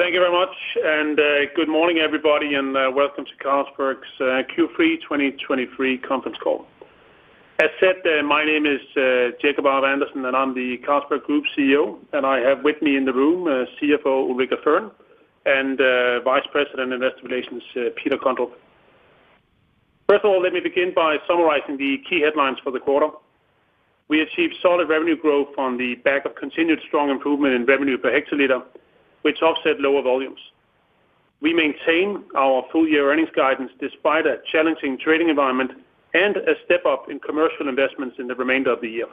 Thank you very much, and good morning, everybody, and welcome to Carlsberg's Q3 2023 conference call. As said, my name is Jacob Aarup-Andersen, and I'm the Carlsberg Group CEO, and I have with me in the room, CFO Ulrica Fearn, and Vice President Investor Relations, Peter Kondrup. First of all, let me begin by summarizing the key headlines for the quarter. We achieved solid revenue growth on the back of continued strong improvement in revenue per hectoliter, which offset lower volumes. We maintain our full-year earnings guidance despite a challenging trading environment and a step-up in commercial investments in the remainder of the year.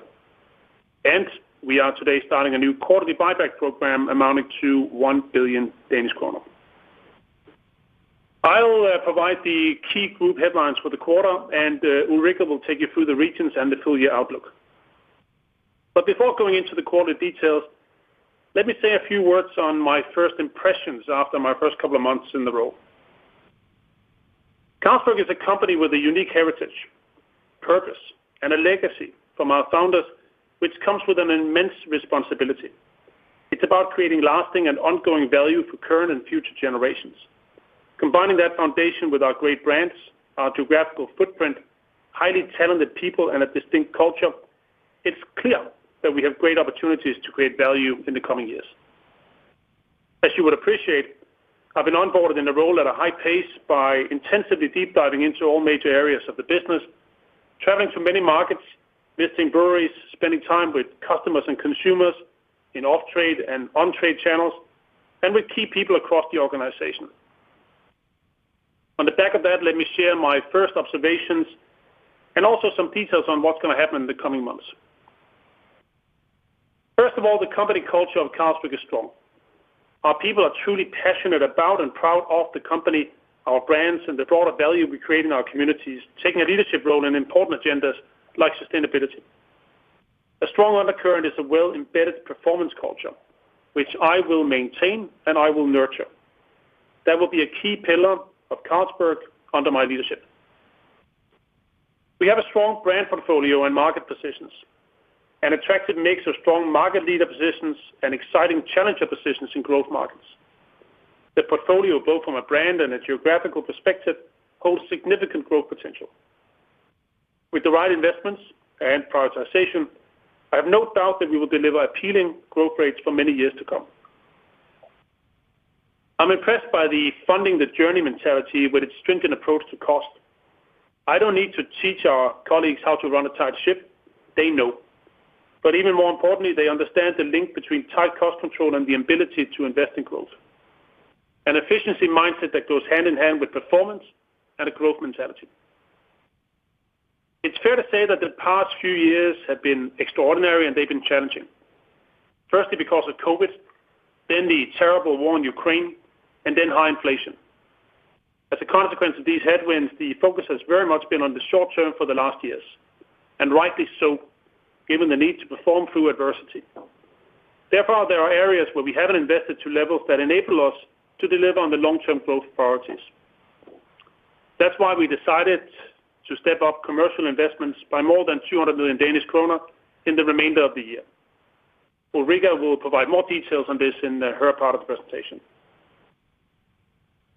We are today starting a new quarterly buyback program amounting to 1 billion Danish kroner. I'll provide the key group headlines for the quarter, and Ulrica will take you through the regions and the full-year outlook. But before going into the quarter details, let me say a few words on my first impressions after my first couple of months in the role. Carlsberg is a company with a unique heritage, purpose, and a legacy from our founders, which comes with an immense responsibility. It's about creating lasting and ongoing value for current and future generations. Combining that foundation with our great brands, our geographical footprint, highly talented people, and a distinct culture, it's clear that we have great opportunities to create value in the coming years. As you would appreciate, I've been onboarded in the role at a high pace by intensively deep diving into all major areas of the business, traveling to many markets, visiting breweries, spending time with customers and consumers in off-trade and on-trade channels, and with key people across the organization. On the back of that, let me share my first observations and also some details on what's going to happen in the coming months. First of all, the company culture of Carlsberg is strong. Our people are truly passionate about and proud of the company, our brands, and the broader value we create in our communities, taking a leadership role in important agendas like sustainability. A strong undercurrent is a well-embedded performance culture, which I will maintain, and I will nurture. That will be a key pillar of Carlsberg under my leadership. We have a strong brand portfolio and market positions, an attractive mix of strong market leader positions and exciting challenger positions in growth markets. The portfolio, both from a brand and a geographical perspective, holds significant growth potential. With the right investments and prioritization, I have no doubt that we will deliver appealing growth rates for many years to come. I'm impressed by the Funding the Journey mentality with its stringent approach to cost. I don't need to teach our colleagues how to run a tight ship. They know. But even more importantly, they understand the link between tight cost control and the ability to invest in growth, an efficiency mindset that goes hand-in-hand with performance and a growth mentality. It's fair to say that the past few years have been extraordinary, and they've been challenging. Firstly, because of COVID, then the terrible war in Ukraine, and then high inflation. As a consequence of these headwinds, the focus has very much been on the short term for the last years, and rightly so, given the need to perform through adversity. Therefore, there are areas where we haven't invested to levels that enable us to deliver on the long-term growth priorities. That's why we decided to step up commercial investments by more than 200 million Danish kroner in the remainder of the year. Ulrica will provide more details on this in her part of the presentation.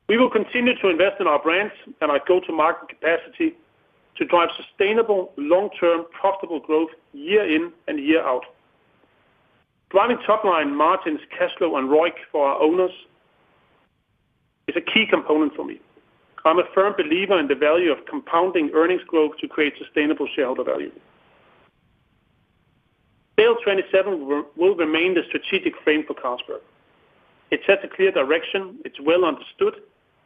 We will continue to invest in our brands and our go-to-market capacity to drive sustainable, long-term, profitable growth year in and year out. Driving top-line margins, cash flow, and ROIC for our owners is a key component for me. I'm a firm believer in the value of compounding earnings growth to create sustainable shareholder value. SAIL'27 will remain the strategic frame for Carlsberg. It sets a clear direction, it's well understood,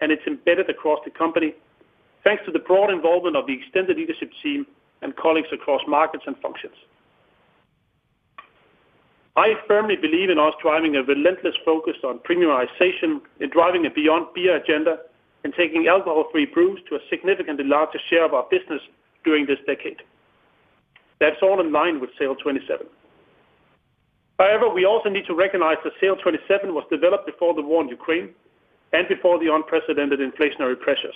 and it's embedded across the company, thanks to the broad involvement of the extended leadership team and colleagues across markets and functions. I firmly believe in us driving a relentless focus on premiumization, in driving a Beyond Beer agenda, and taking alcohol-free brews to a significantly larger share of our business during this decade. That's all in line with SAIL'27. However, we also need to recognize that SAIL'27 was developed before the war in Ukraine and before the unprecedented inflationary pressures.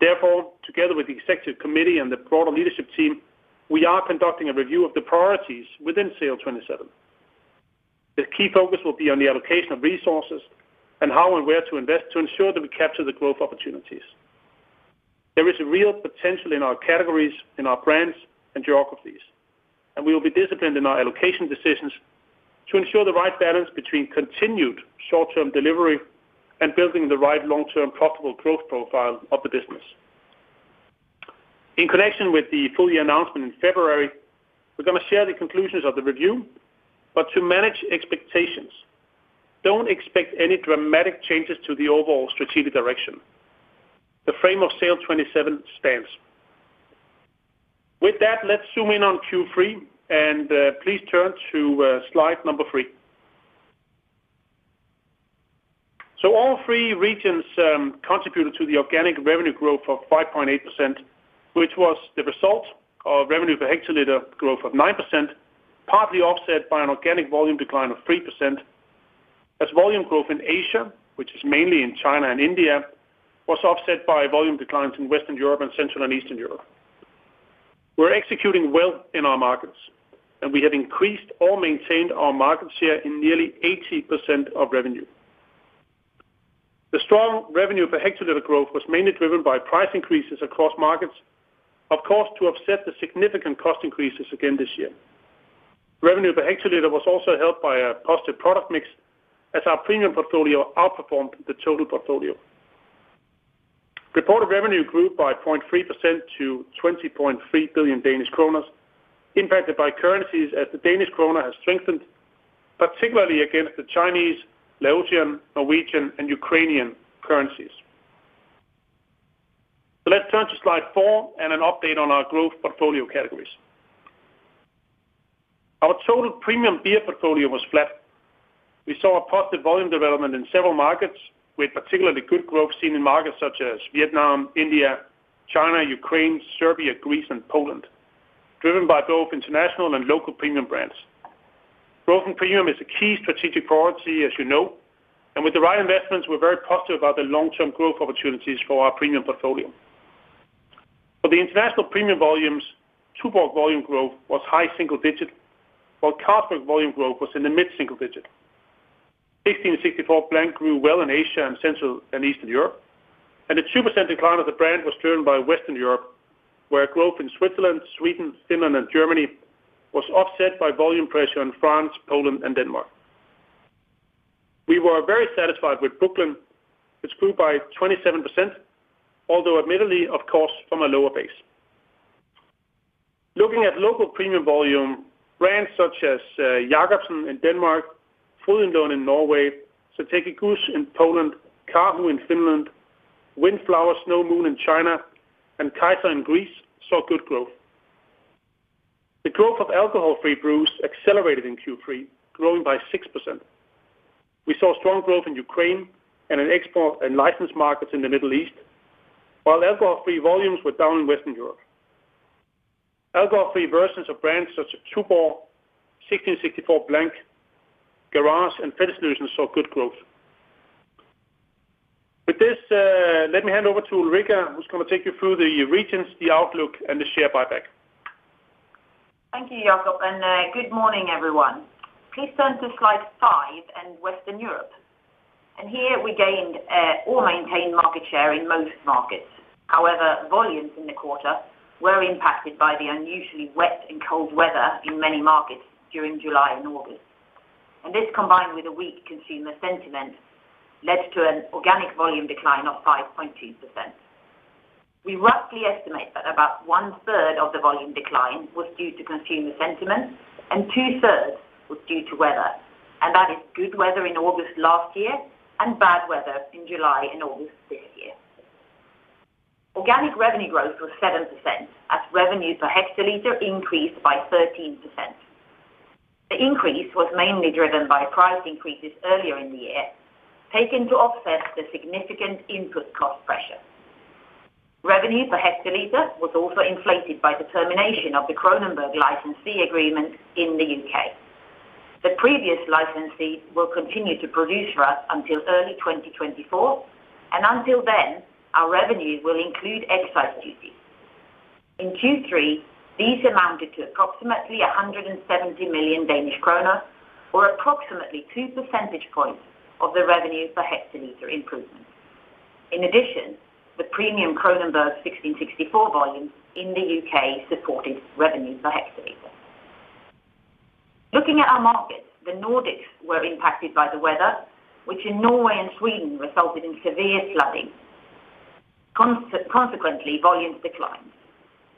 Therefore, together with the executive committee and the broader leadership team, we are conducting a review of the priorities within SAIL'27. The key focus will be on the allocation of resources and how and where to invest to ensure that we capture the growth opportunities. There is a real potential in our categories, in our brands, and geographies, and we will be disciplined in our allocation decisions to ensure the right balance between continued short-term delivery and building the right long-term profitable growth profile of the business. In connection with the full-year announcement in February, we're going to share the conclusions of the review, but to manage expectations, don't expect any dramatic changes to the overall strategic direction. The frame of SAIL'27 stands. With that, let's zoom in on Q3, and please turn to slide number three. So all three regions contributed to the organic revenue growth of 5.8%, which was the result of revenue per hectoliter growth of 9%, partly offset by an organic volume decline of 3%, as volume growth in Asia, which is mainly in China and India, was offset by volume declines in Western Europe and Central and Eastern Europe. We're executing well in our markets, and we have increased or maintained our market share in nearly 80% of revenue. The strong revenue per hectoliter growth was mainly driven by price increases across markets, of course, to offset the significant cost increases again this year. Revenue per hectoliter was also helped by a positive product mix, as our premium portfolio outperformed the total portfolio. Reported revenue grew by 0.3% to 20.3 billion Danish kroner, impacted by currencies as the Danish krone has strengthened, particularly against the Chinese, Laotian, Norwegian, and Ukrainian currencies. Let's turn to slide four and an update on our growth portfolio categories. Our total premium beer portfolio was flat. We saw a positive volume development in several markets, with particularly good growth seen in markets such as Vietnam, India, China, Ukraine, Serbia, Greece, and Poland, driven by both international and local premium brands. Growth in premium is a key strategic priority, as you know, and with the right investments, we're very positive about the long-term growth opportunities for our premium portfolio. For the international premium volumes, Tuborg volume growth was high single digit, while Carlsberg volume growth was in the mid single digit. 1664 Blanc grew well in Asia and Central and Eastern Europe, and the 2% decline of the brand was driven by Western Europe, where growth in Switzerland, Sweden, Finland, and Germany was offset by volume pressure in France, Poland and Denmark. We were very satisfied with Brooklyn, which grew by 27%, although admittedly, of course, from a lower base. Looking at local premium volume, brands such as Jacobsen in Denmark, in Trondheim Norway, Zatecky Gus in Poland, Karhu in Finland, Windflower, Snow Moon in China, and Kaiser in Greece, saw good growth. The growth of alcohol-free brews accelerated in Q3, growing by 6%. We saw strong growth in Ukraine and in export and licensed markets in the Middle East, while alcohol-free volumes were down in Western Europe. Alcohol-free versions of brands such as Tuborg, 1664 Blanc, Garage, and Pederson saw good growth. With this, let me hand over to Ulrica, who's going to take you through the regions, the outlook, and the share buyback. Thank you, Jacob, and good morning, everyone. Please turn to slide five and Western Europe. Here we gained or maintained market share in most markets. However, volumes in the quarter were impacted by the unusually wet and cold weather in many markets during July and August, and this, combined with a weak consumer sentiment, led to an organic volume decline of 5.2%. We roughly estimate that about one-third of the volume decline was due to consumer sentiment, and two-thirds was due to weather, and that is good weather in August last year and bad weather in July and August this year. Organic revenue growth was 7%, as revenue per hectoliter increased by 13%. The increase was mainly driven by price increases earlier in the year, taken to offset the significant input cost pressure. Revenue per hectoliter was also inflated by the termination of the Kronenbourg licensee agreement in the U.K. The previous licensee will continue to produce for us until early 2024, and until then, our revenue will include excise duty. In Q3, these amounted to approximately 170 million Danish kroner, or approximately two percentage points of the revenue per hectoliter improvement. In addition, the premium Kronenbourg 1664 volume in the U.K. supported revenue per hectoliter. Looking at our markets, the Nordics were impacted by the weather, which in Norway and Sweden, resulted in severe flooding. Consequently, volumes declined.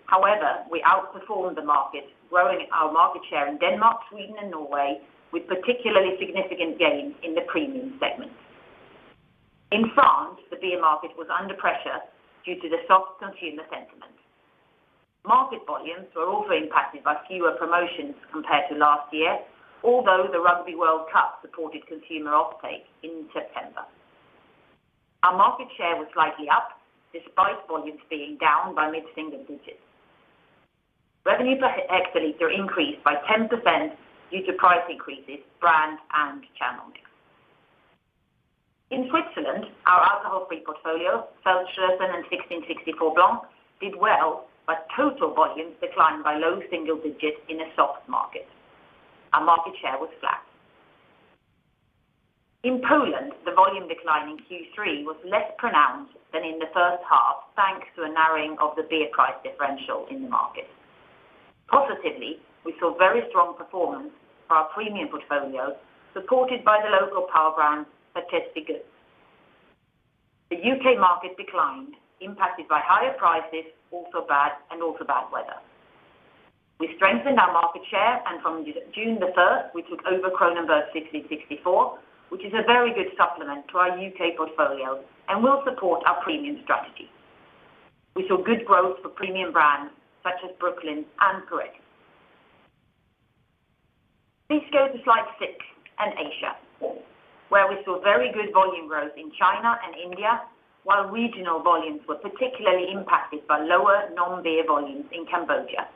However, we outperformed the market, growing our market share in Denmark, Sweden, and Norway, with particularly significant gains in the premium segment. In France, the beer market was under pressure due to the soft consumer sentiment. Market volumes were also impacted by fewer promotions compared to last year, although the Rugby World Cup supported consumer offtake in September. Our market share was slightly up, despite volumes being down by mid-single digits. Revenue per hectoliter increased by 10% due to price increases, brand and channel mix. In Switzerland, our alcohol-free portfolio, Feldschlösschen and 1664 Blanc, did well, but total volumes declined by low single digits in a soft market. Our market share was flat. In Poland, the volume decline in Q3 was less pronounced than in the first half, thanks to a narrowing of the beer price differential in the market. Positively, we saw very strong performance for our premium portfolio, supported by the local power brand, Zatecky. The U.K. market declined, impacted by higher prices, also bad, and also bad weather. We strengthened our market share, and from June the first, we took over Kronenbourg 1664, which is a very good supplement to our U.K. portfolio and will support our premium strategy. We saw good growth for premium brands such as Brooklyn and Grolsch. Please go to slide 6 and Asia, where we saw very good volume growth in China and India, while regional volumes were particularly impacted by lower non-beer volumes in Cambodia.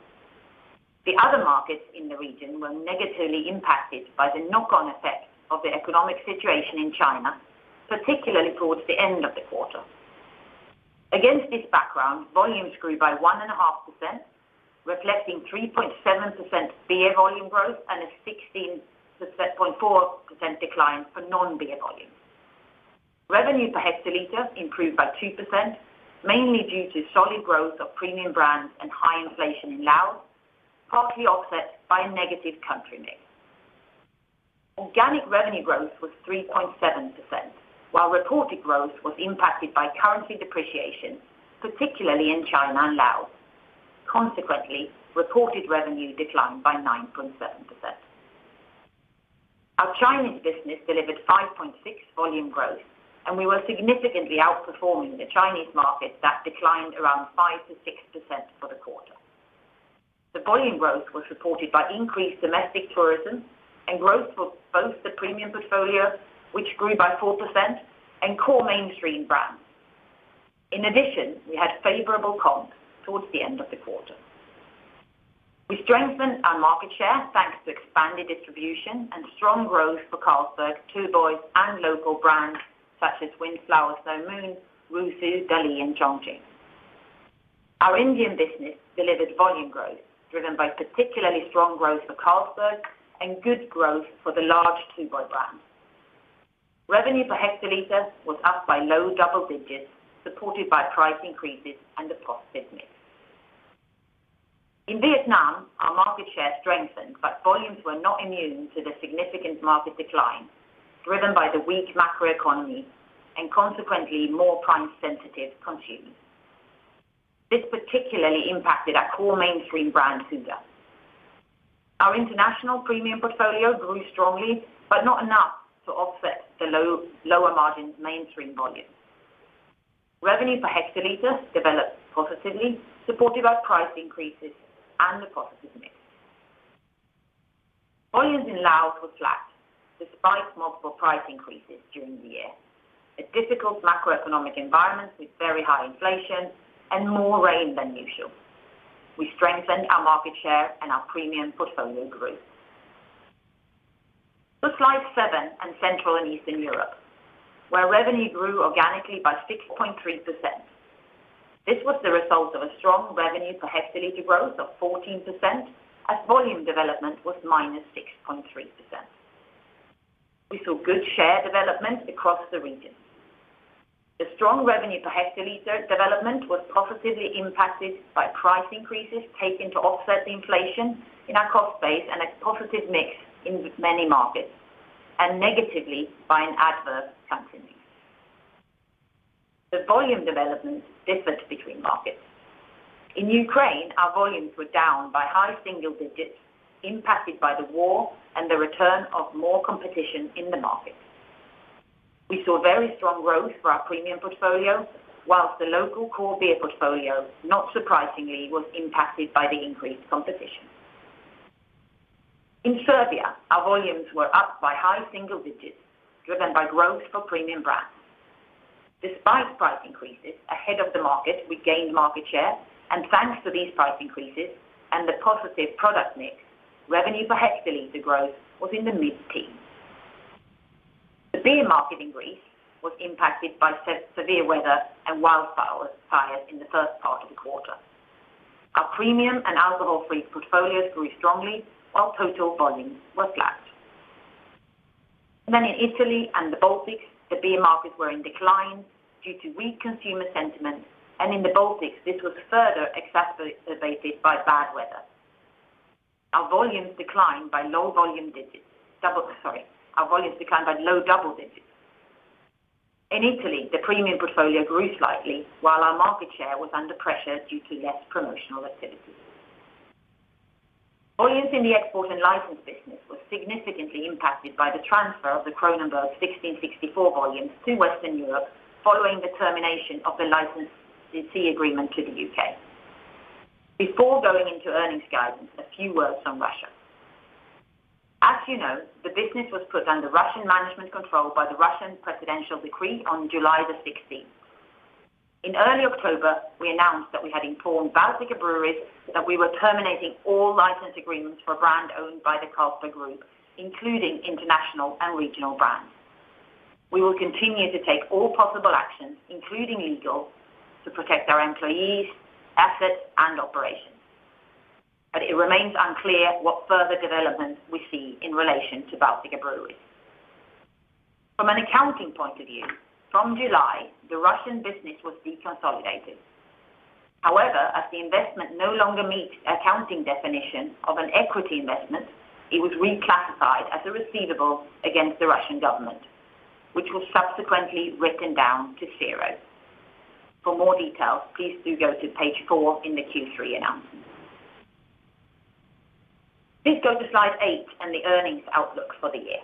The other markets in the region were negatively impacted by the knock-on effect of the economic situation in China, particularly towards the end of the quarter. Against this background, volumes grew by 1.5%, reflecting 3.7% beer volume growth and a 16.4% decline for non-beer volumes. Revenue per hectoliter improved by 2%, mainly due to solid growth of premium brands and high inflation in Laos, partly offset by a negative country mix. Organic revenue growth was 3.7%, while reported growth was impacted by currency depreciation, particularly in China and Laos. Consequently, reported revenue declined by 9.7%. Our Chinese business delivered 5.6 volume growth, and we were significantly outperforming the Chinese market that declined around 5%-6% for the quarter. The volume growth was supported by increased domestic tourism and growth for both the premium portfolio, which grew by 4% and core mainstream brands. In addition, we had favorable comps towards the end of the quarter. We strengthened our market share, thanks to expanded distribution and strong growth for Carlsberg, Tuborg, and local brands such as Windflower, Snow Moon, Rusu, Dali, and Chongqing. Our Indian business delivered volume growth, driven by particularly strong growth for Carlsberg and good growth for the large Tuborg brand. Revenue per hectoliter was up by low double digits, supported by price increases and a positive mix. In Vietnam, our market share strengthened, but volumes were not immune to the significant market decline, driven by the weak macroeconomy and consequently, more price-sensitive consumers. This particularly impacted our core mainstream brand, Tiger. Our international premium portfolio grew strongly, but not enough to offset the low, lower margins mainstream volumes. Revenue per hectoliter developed positively, supported by price increases and a positive mix. Volumes in Laos were flat, despite multiple price increases during the year. A difficult macroeconomic environment with very high inflation and more rain than usual. We strengthened our market share and our premium portfolio growth. To Slide seven and Central and Eastern Europe, where revenue grew organically by 6.3%. This was the result of a strong revenue per hectoliter growth of 14%, as volume development was -6.3%. We saw good share development across the region. The strong revenue per hectoliter development was positively impacted by price increases taken to offset the inflation in our cost base and a positive mix in many markets, and negatively by an adverse country mix. The volume development differed between markets. In Ukraine, our volumes were down by high single digits, impacted by the war and the return of more competition in the market. We saw very strong growth for our premium portfolio, while the local core beer portfolio, not surprisingly, was impacted by the increased competition. In Serbia, our volumes were up by high single digits, driven by growth for premium brands. Despite price increases ahead of the market, we gained market share, and thanks to these price increases and the positive product mix, revenue per hectoliter growth was in the mid-teens. The beer market in Greece was impacted by severe weather and wildfires in the first part of the quarter. Our premium and alcohol-free portfolios grew strongly, while total volumes were flat. Then in Italy and the Baltics, the beer markets were in decline due to weak consumer sentiment, and in the Baltics, this was further exacerbated by bad weather. Our volumes declined by low double digits. In Italy, the premium portfolio grew slightly, while our market share was under pressure due to less promotional activity. Volumes in the export and licensed business were significantly impacted by the transfer of the Kronenbourg 1664 volumes to Western Europe, following the termination of the licensing agreement to the U.K. Before going into earnings guidance, a few words on Russia. As you know, the business was put under Russian management control by the Russian presidential decree on July 16. In early October, we announced that we had informed Baltika Breweries that we were terminating all license agreements for a brand owned by the Carlsberg Group, including international and regional brands. We will continue to take all possible actions, including legal, to protect our employees, assets, and operations. But it remains unclear what further developments we see in relation to Baltika Breweries. From an accounting point of view, from July, the Russian business was deconsolidated. However, as the investment no longer meets accounting definition of an equity investment, it was reclassified as a receivable against the Russian government, which was subsequently written down to zero. For more details, please do go to page four in the Q3 announcement. Please go to slide eight and the earnings outlook for the year.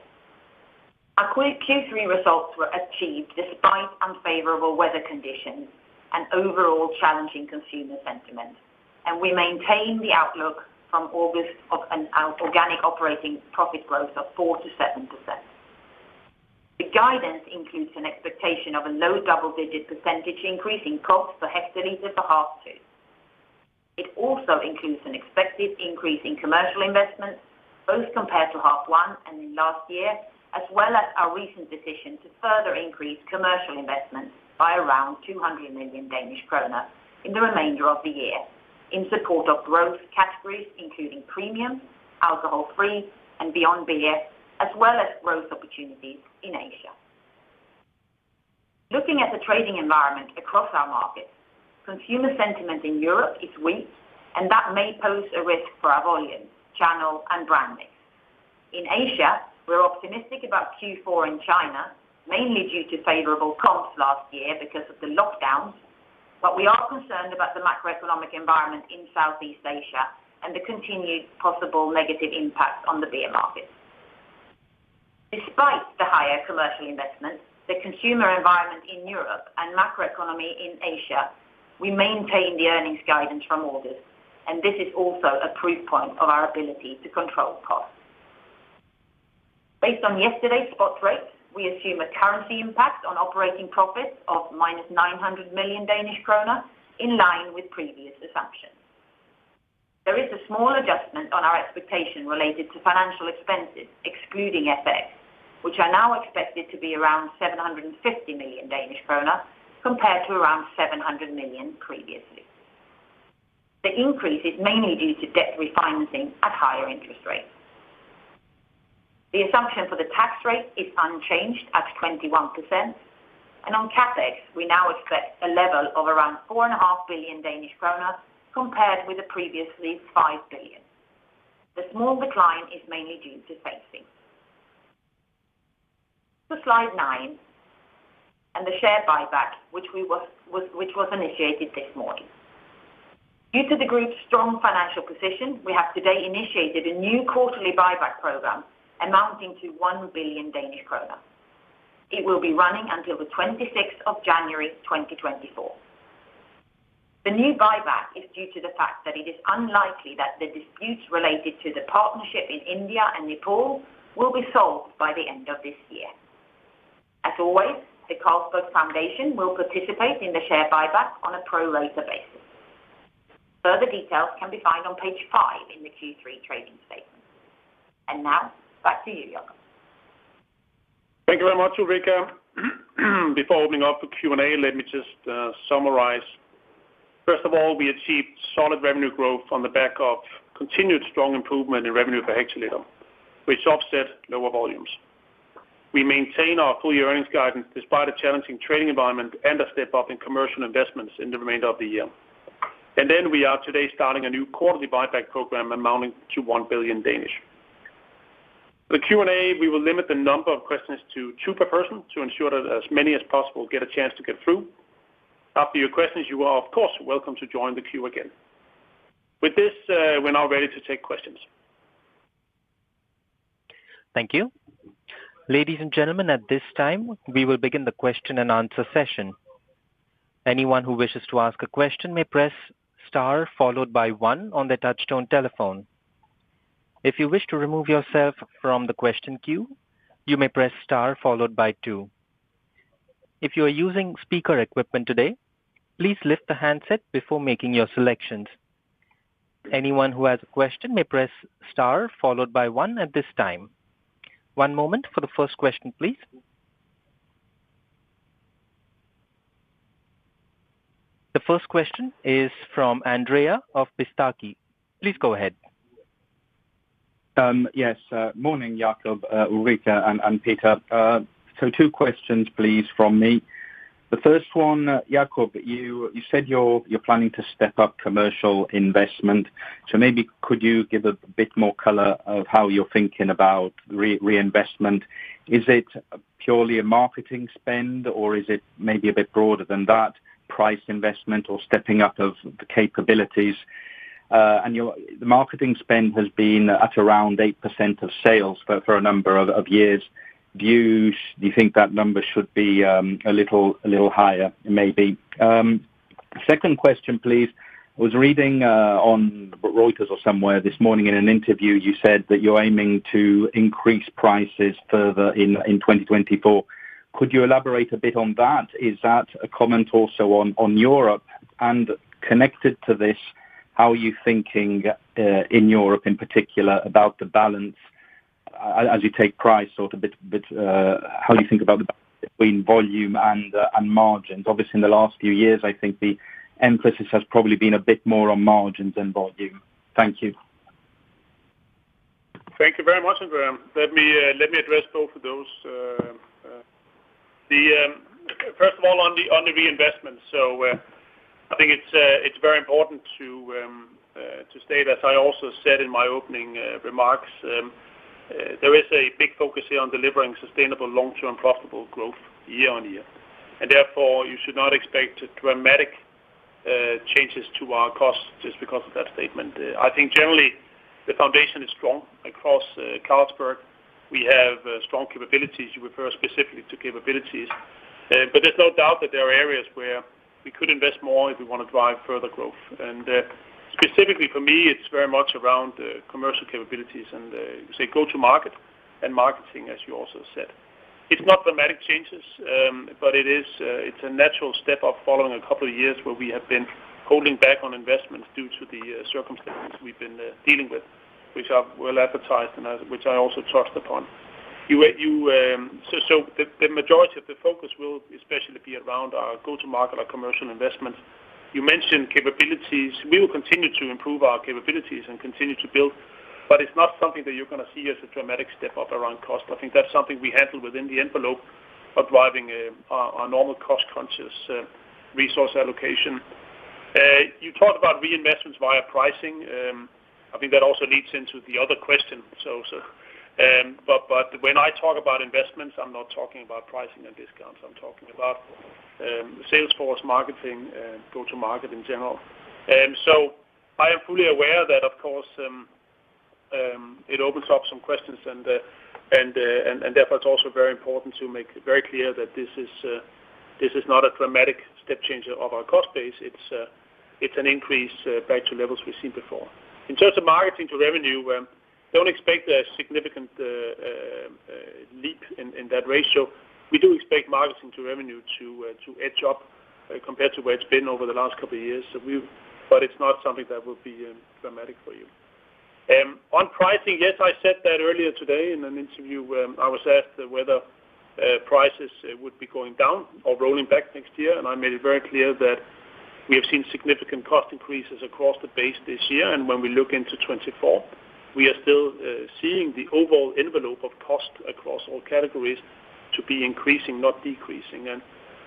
Our Q3 results were achieved despite unfavorable weather conditions and overall challenging consumer sentiment, and we maintain the outlook from August of an, our organic operating profit growth of 4%-7%....The guidance includes an expectation of a low double-digit percentage increase in costs per hectoliter for half two. It also includes an expected increase in commercial investments, both compared to half one and in last year, as well as our recent decision to further increase commercial investments by around 200 million Danish kroner in the remainder of the year, in support of growth categories, including premium, Alcohol-Free, and Beyond Beer, as well as growth opportunities in Asia. Looking at the trading environment across our markets, consumer sentiment in Europe is weak, and that may pose a risk for our volumes, channel, and brand mix. In Asia, we're optimistic about Q4 in China, mainly due to favorable costs last year because of the lockdowns, but we are concerned about the macroeconomic environment in Southeast Asia and the continued possible negative impact on the beer market. Despite the higher commercial investments, the consumer environment in Europe and macroeconomy in Asia, we maintain the earnings guidance from August, and this is also a proof point of our ability to control costs. Based on yesterday's spot rates, we assume a currency impact on operating profits of -900 million Danish kroner, in line with previous assumptions. There is a small adjustment on our expectation related to financial expenses, excluding FX, which are now expected to be around 750 million Danish krone compared to around 700 million previously. The increase is mainly due to debt refinancing at higher interest rates. The assumption for the tax rate is unchanged at 21%, and on CapEx, we now expect a level of around 4.5 billion Danish krone, compared with the previously 5 billion. The small decline is mainly due to pacing. To slide nine, the share buyback, which was initiated this morning. Due to the group's strong financial position, we have today initiated a new quarterly buyback program amounting to 1 billion Danish kroner. It will be running until the twenty-sixth of January, 2024. The new buyback is due to the fact that it is unlikely that the disputes related to the partnership in India and Nepal will be solved by the end of this year. As always, the Carlsberg Foundation will participate in the share buyback on a pro rata basis. Further details can be found on page five in the Q3 trading statement. Now, back to you, Jacob. Thank you very much, Ulrica. Before opening up the Q&A, let me just summarize. First of all, we achieved solid revenue growth on the back of continued strong improvement in revenue per hectoliter, which offset lower volumes. We maintain our full-year earnings guidance despite a challenging trading environment and a step-up in commercial investments in the remainder of the year. And then we are today starting a new quarterly buyback program amounting to 1 billion. The Q&A, we will limit the number of questions to two per person to ensure that as many as possible get a chance to get through. After your questions, you are, of course, welcome to join the queue again. With this, we're now ready to take questions. Thank you. Ladies and gentlemen, at this time, we will begin the Q&A session. Anyone who wishes to ask a question may press star followed by one on their touchtone telephone. If you wish to remove yourself from the question queue, you may press star followed by two. If you are using speaker equipment today, please lift the handset before making your selections. Anyone who has a question may press star followed by one at this time. One moment for the first question, please. The first question is from Andrea Pistacchi. Please go ahead. Yes, morning, Jacob, Ulrica, and Peter. So two questions, please, from me. The first one, Jacob, you said you're planning to step up commercial investment, so maybe could you give a bit more color of how you're thinking about reinvestment? Is it purely a marketing spend, or is it maybe a bit broader than that, price investment or stepping up of the capabilities? And your... The marketing spend has been at around 8% of sales for a number of years. Do you think that number should be a little higher, maybe? Second question, please. I was reading on Reuters or somewhere this morning in an interview, you said that you're aiming to increase prices further in 2024. Could you elaborate a bit on that? Is that a comment also on Europe? And connected to this, how are you thinking in Europe in particular about the balance as you take price sort of bit by bit, how you think about the balance between volume and margins? Obviously, in the last few years, I think the emphasis has probably been a bit more on margins than volume. Thank you. Thank you very much, Andrea. Let me let me address both of those. The first of all, on the reinvestment, so I think it's it's very important to to state, as I also said in my opening remarks, there is a big focus here on delivering sustainable, long-term, profitable growth year on year, and therefore, you should not expect dramatic changes to our costs just because of that statement. I think generally the foundation is strong across Carlsberg. We have strong capabilities. You refer specifically to capabilities, but there's no doubt that there are areas where we could invest more if we want to drive further growth. And specifically for me, it's very much around the commercial capabilities and, say, go to market and marketing, as you also said. It's not dramatic changes, but it is, it's a natural step up following a couple of years where we have been holding back on investments due to the circumstances we've been dealing with, which are well advertised and as which I also touched upon. You, so the majority of the focus will especially be around our go-to-market, our commercial investments. You mentioned capabilities. We will continue to improve our capabilities and continue to build, but it's not something that you're gonna see as a dramatic step up around cost. I think that's something we handle within the envelope of driving our normal cost-conscious resource allocation. You talked about reinvestments via pricing. I think that also leads into the other question. But when I talk about investments, I'm not talking about pricing and discounts. I'm talking about sales force, marketing, and go-to-market in general. So I am fully aware that of course it opens up some questions and therefore it's also very important to make very clear that this is not a dramatic step changer of our cost base. It's an increase back to levels we've seen before. In terms of marketing to revenue, don't expect a significant leap in that ratio. We do expect marketing to revenue to edge up compared to where it's been over the last couple of years. So we've... But it's not something that will be dramatic for you. On pricing, yes, I said that earlier today in an interview, I was asked whether prices would be going down or rolling back next year, and I made it very clear that we have seen significant cost increases across the base this year, and when we look into 2024, we are still seeing the overall envelope of cost across all categories to be increasing, not decreasing. And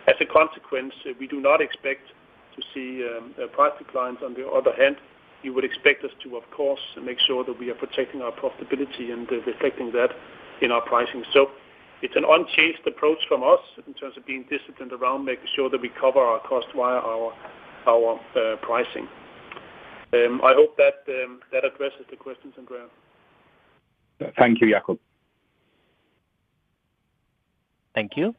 as a consequence, we do not expect to see price declines. On the other hand, you would expect us to, of course, make sure that we are protecting our profitability and reflecting that in our pricing. So it's an unchanged approach from us in terms of being disciplined around making sure that we cover our cost via our pricing. I hope that that addresses the questions, Andre. Thank you, Jacob. Thank you.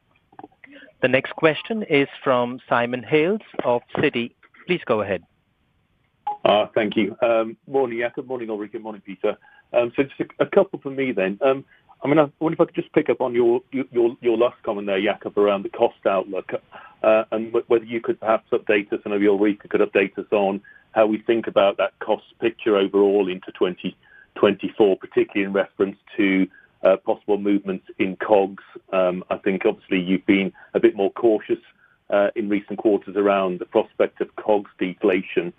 The next question is from Simon Hales of Citi. Please go ahead. Thank you. Morning, Jacob. Morning, Ulrica. Morning, Peter. So just a couple from me then. I mean, I wonder if I could just pick up on your, your, your last comment there, Jacob, around the cost outlook, and whether you could perhaps update us and maybe Ulrica could update us on how we think about that cost picture overall into 2024, particularly in reference to, possible movements in COGS. I think obviously you've been a bit more cautious, in recent quarters around the prospect of COGS deflation,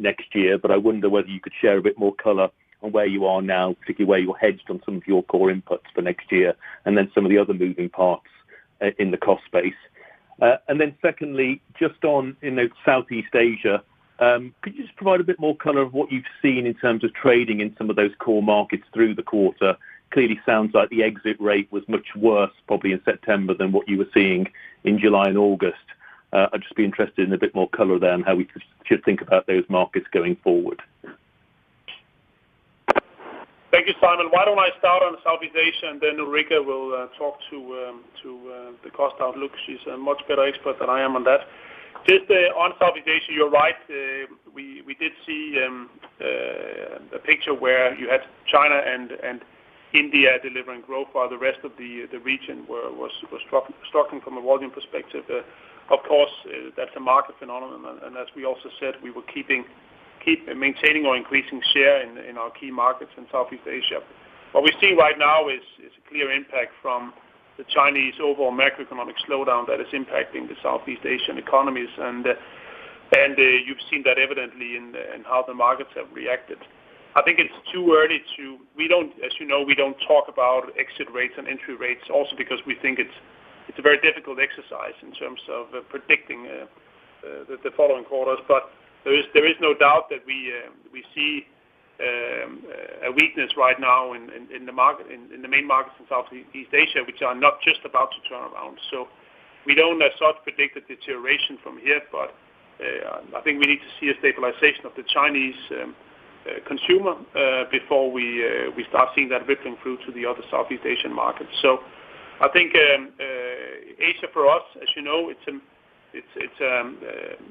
next year. But I wonder whether you could share a bit more color on where you are now, particularly where you're hedged on some of your core inputs for next year, and then some of the other moving parts, in the cost base. And then secondly, just on, you know, Southeast Asia, could you just provide a bit more color of what you've seen in terms of trading in some of those core markets through the quarter? Clearly sounds like the exit rate was much worse, probably in September than what you were seeing in July and August. I'd just be interested in a bit more color there and how we could, should think about those markets going forward. Thank you, Simon. Why don't I start on Southeast Asia, and then Ulrica will talk to the cost outlook. She's a much better expert than I am on that. Just on Southeast Asia, you're right. We did see a picture where you had China and India delivering growth while the rest of the region was struggling from a volume perspective. Of course, that's a market phenomenon, and as we also said, we were keeping, keep maintaining or increasing share in our key markets in Southeast Asia. What we see right now is a clear impact from the Chinese overall macroeconomic slowdown that is impacting the Southeast Asian economies, and you've seen that evidently in how the markets have reacted. I think it's too early to... We don't, as you know, we don't talk about exit rates and entry rates, also because we think it's a very difficult exercise in terms of predicting the following quarters. But there is no doubt that we see a weakness right now in the market, in the main markets in Southeast Asia, which are not just about to turn around. So we don't as such predict a deterioration from here, but I think we need to see a stabilization of the Chinese consumer before we start seeing that rippling through to the other Southeast Asian markets. So I think Asia, for us, as you know, it's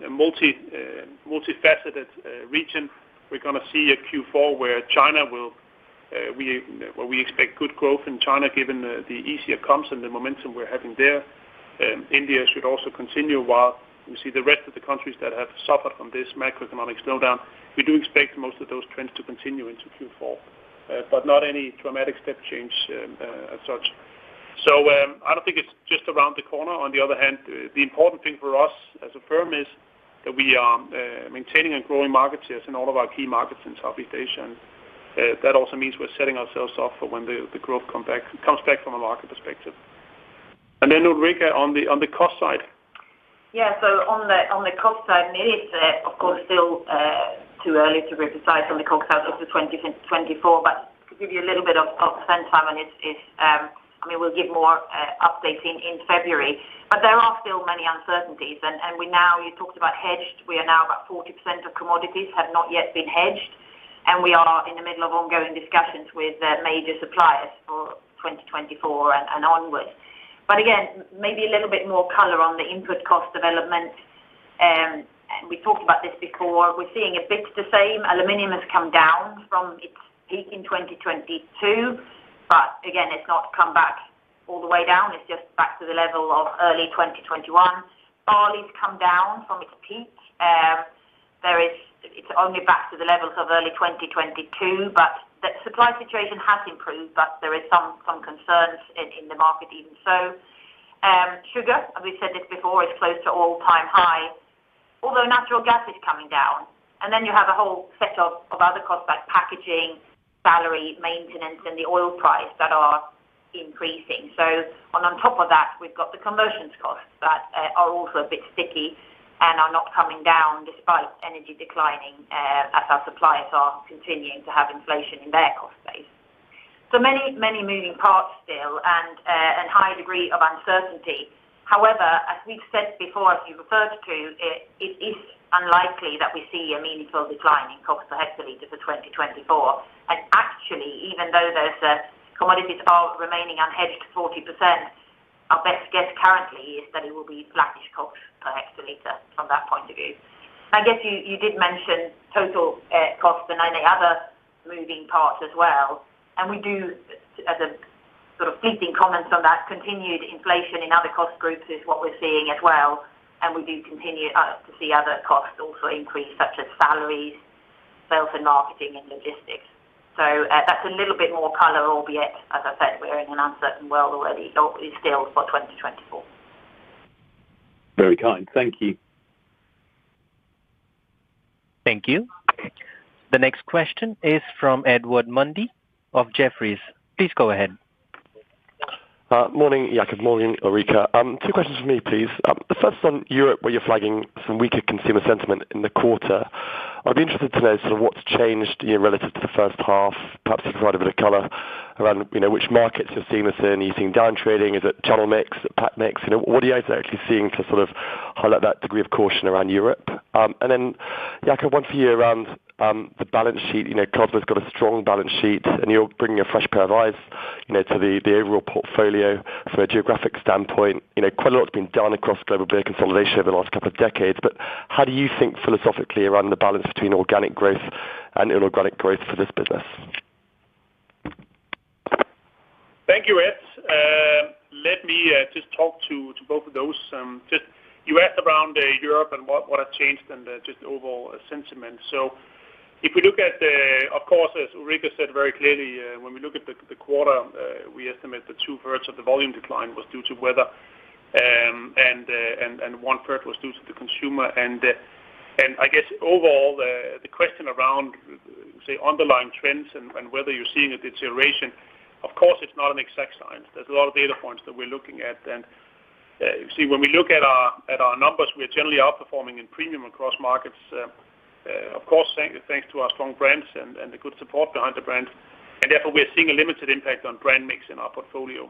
a multifaceted region. We're gonna see a Q4, where China will, where we expect good growth in China, given the easier comps and the momentum we're having there. India should also continue, while we see the rest of the countries that have suffered from this macroeconomic slowdown. We do expect most of those trends to continue into Q4, but not any dramatic step change, as such. So, I don't think it's just around the corner. On the other hand, the important thing for us, as a firm, is that we are maintaining and growing market shares in all of our key markets in Southeast Asia, and that also means we're setting ourselves up for when the growth come back, comes back from a market perspective. And then Ulrica, on the cost side. Yeah. So on the cost side, maybe it's of course still too early to be precise on the cost side of the 2024, but to give you a little bit of context, and it's it's... I mean, we'll give more update in February. But there are still many uncertainties, and we now, you talked about hedged. We are now about 40% of commodities have not yet been hedged. And we are in the middle of ongoing discussions with major suppliers for 2024 and onwards. But again, maybe a little bit more color on the input cost development, and we talked about this before. We're seeing a bit the same. Aluminum has come down from its peak in 2022, but again, it's not come back all the way down. It's just back to the level of early 2021. Barley's come down from its peak. There is—it's only back to the levels of early 2022, but the supply situation has improved, but there is some concerns in the market even so. Sugar, we've said this before, is close to all-time high, although natural gas is coming down. And then you have a whole set of other costs like packaging, salary, maintenance, and the oil price that are increasing. So, on top of that, we've got the conversion costs that are also a bit sticky and are not coming down despite energy declining, as our suppliers are continuing to have inflation in their cost base. So many, many moving parts still and high degree of uncertainty. However, as we've said before, as you referred to, it, it is unlikely that we see a meaningful decline in cost per hectoliter for 2024. And actually, even though those, commodities are remaining unhedged to 40%, our best guess currently is that it will be flattish cost per hectoliter from that point of view. I guess you, you did mention total, costs and any other moving parts as well, and we do as a sort of fleeting comments on that, continued inflation in other cost groups is what we're seeing as well, and we do continue to see other costs also increase, such as salaries, sales and marketing, and logistics. So, that's a little bit more color, albeit, as I said, we're in an uncertain world already, or is still for 2024. Very kind. Thank you. Thank you. The next question is from Edward Mundy of Jefferies. Please go ahead. Good morning, Ulrica. Two questions for me, please. The first on Europe, where you're flagging some weaker consumer sentiment in the quarter. I'd be interested to know sort of what's changed, you know, relative to the first half. Perhaps you can provide a bit of color around, you know, which markets you're seeing this in. Are you seeing downtrading? Is it channel mix? Is it pack mix? You know, what are the areas that are actually seeing to sort of highlight that degree of caution around Europe? And then, yeah, one for you around the balance sheet. You know, Carlsberg's got a strong balance sheet, and you're bringing a fresh pair of eyes, you know, to the overall portfolio from a geographic standpoint. You know, quite a lot's been done across global beer consolidation over the last couple of decades, but how do you think philosophically around the balance between organic growth and inorganic growth for this business? Thank you, Ed. Let me just talk to both of those. Just you asked around Europe and what has changed and just the overall sentiment. So if we look at the... Of course, as Ulrica said very clearly, when we look at the quarter, we estimate two-thirds of the volume decline was due to weather, and one third was due to the consumer. And I guess overall, the question around, say, underlying trends and whether you're seeing a deterioration, of course, it's not an exact science. There's a lot of data points that we're looking at. You see, when we look at our numbers, we generally are performing in premium across markets, of course, thanks to our strong brands and the good support behind the brands, and therefore, we're seeing a limited impact on brand mix in our portfolio.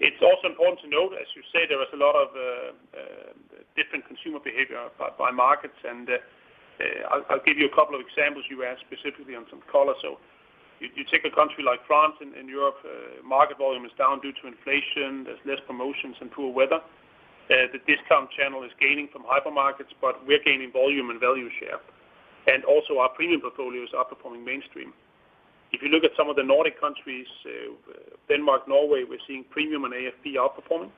It's also important to note, as you say, there is a lot of different consumer behavior by markets. I'll give you a couple of examples you asked specifically on some colors. You take a country like France in Europe. Market volume is down due to inflation. There's less promotions and poor weather. The discount channel is gaining from hypermarkets, but we're gaining volume and value share, and also our premium portfolios are performing mainstream. If you look at some of the Nordic countries, Denmark, Norway, we're seeing premium and AFP outperforming.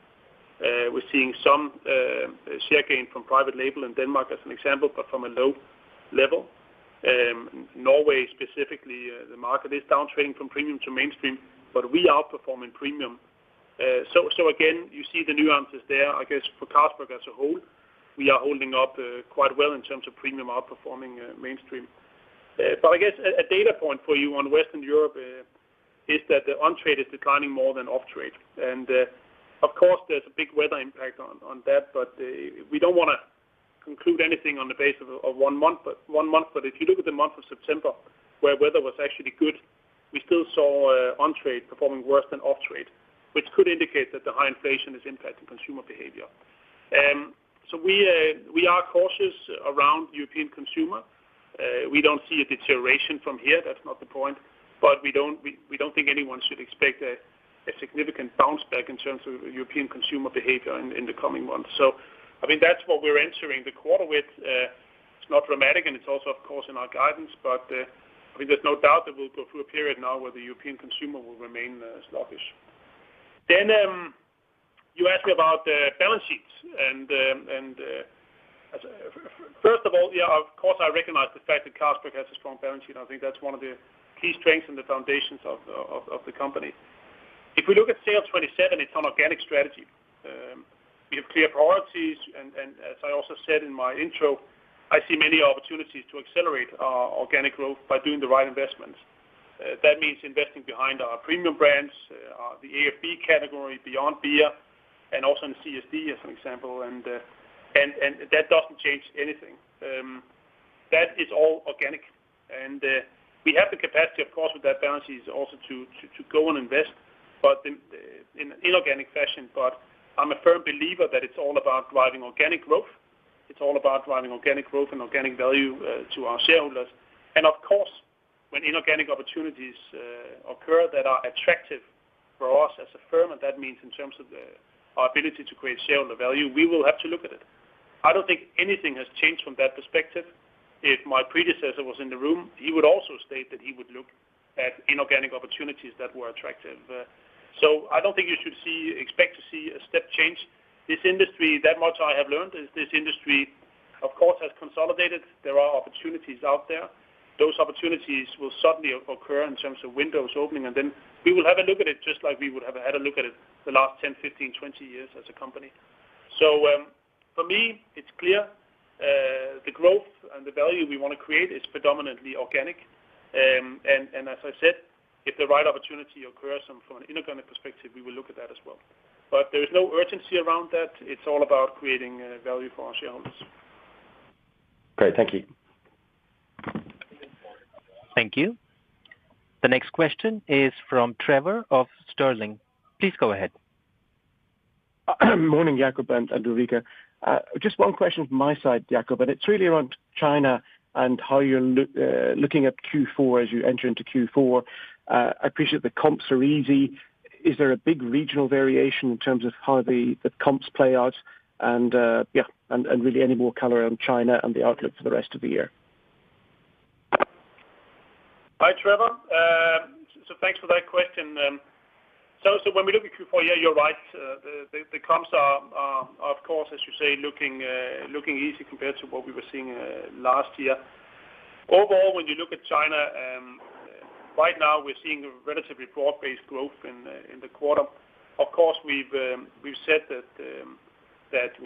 We're seeing some share gain from private label in Denmark, as an example, but from a low level. Norway, specifically, the market is down trading from premium to mainstream, but we are outperforming premium. So again, you see the nuances there. I guess for Carlsberg as a whole, we are holding up quite well in terms of premium outperforming mainstream. But I guess a data point for you on Western Europe is that the on-trade is declining more than off-trade. Of course, there's a big weather impact on that, but we don't wanna conclude anything on the base of one month, but one month. But if you look at the month of September, where weather was actually good, we still saw on-trade performing worse than off-trade, which could indicate that the high inflation is impacting consumer behavior. So we are cautious around European consumer. We don't see a deterioration from here, that's not the point, but we don't think anyone should expect a significant bounce back in terms of European consumer behavior in the coming months. So I mean, that's what we're entering the quarter with. It's not dramatic, and it's also, of course, in our guidance, but I mean, there's no doubt that we'll go through a period now where the European consumer will remain sluggish. Then, you asked me about the balance sheets, and, first of all, yeah, of course, I recognize the fact that Carlsberg has a strong balance sheet. I think that's one of the key strengths and the foundations of the company. If we look at SAIL'27, it's an organic strategy. We have clear priorities, and as I also said in my intro, I see many opportunities to accelerate our organic growth by doing the right investments. That means investing behind our premium brands, the AFB category, beyond beer, and also in CSD, as an example, and that doesn't change anything. That is all organic, and we have the capacity, of course, with that balance sheet, is also to go and invest. But the-... In inorganic fashion, but I'm a firm believer that it's all about driving organic growth. It's all about driving organic growth and organic value to our shareholders. And of course, when inorganic opportunities occur that are attractive for us as a firm, and that means in terms of our ability to create shareholder value, we will have to look at it. I don't think anything has changed from that perspective. If my predecessor was in the room, he would also state that he would look at inorganic opportunities that were attractive. So I don't think you should see, expect to see a step change. This industry, that much I have learned is this industry, of course, has consolidated. There are opportunities out there. Those opportunities will suddenly occur in terms of windows opening, and then we will have a look at it just like we would have had a look at it the last 10, 15, 20 years as a company. So, for me, it's clear, the growth and the value we want to create is predominantly organic. And as I said, if the right opportunity occurs from an inorganic perspective, we will look at that as well. But there is no urgency around that. It's all about creating value for our shareholders. Great. Thank you. Thank you. The next question is from Trevor Stirling. Please go ahead. Morning, Jacob and Ulrica. Just one question from my side, Jacob, and it's really around China and how you're looking at Q4 as you enter into Q4. I appreciate the comps are easy. Is there a big regional variation in terms of how the comps play out? And really any more color around China and the outlook for the rest of the year? Hi, Trevor. So thanks for that question. So when we look at Q4, yeah, you're right. The comps are, of course, as you say, looking easy compared to what we were seeing last year. Overall, when you look at China, right now we're seeing a relatively broad-based growth in the quarter. Of course, we've said that,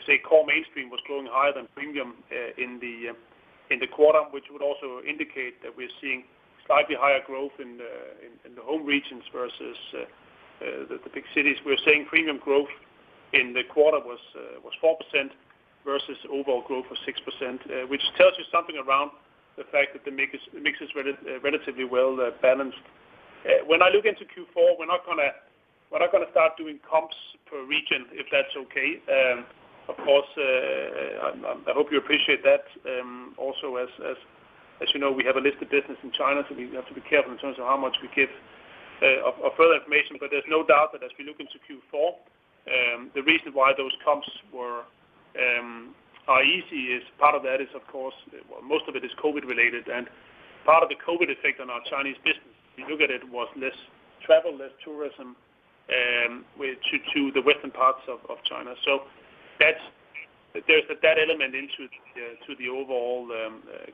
say, core mainstream was growing higher than premium in the quarter, which would also indicate that we're seeing slightly higher growth in the home regions versus the big cities. We're seeing premium growth in the quarter was 4% versus overall growth of 6%, which tells you something around the fact that the mix is relatively well balanced. When I look into Q4, we're not gonna start doing comps per region, if that's okay. Of course, I hope you appreciate that. Also, as you know, we have a lot of business in China, so we have to be careful in terms of how much we give of further information. But there's no doubt that as we look into Q4, the reason why those comps are easy is part of that is, of course, well, most of it is COVID-related, and part of the COVID effect on our Chinese business, if you look at it, was less travel, less tourism to the western parts of China. So there's that element to the overall